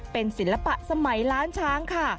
เป็นศิลปะสมัยล้านช้างค่ะ